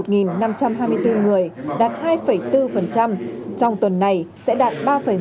trong linh một năm trăm hai mươi bốn người đạt hai bốn trong tuần này sẽ đạt ba một mươi chín